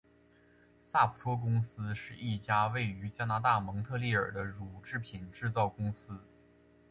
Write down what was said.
萨普托公司是一家位于加拿大蒙特利尔的乳制品制造公司。